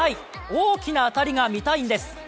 大きな当たりが見たいんです。